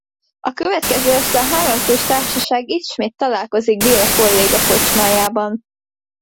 Következő este a háromfős társaság ismét találkozik Béla kolléga kocsmájában.